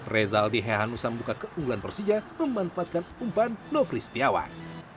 rezaldi hehanusa membuka keunggulan persija memanfaatkan umpan nofri setiawan